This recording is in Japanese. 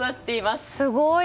すごい。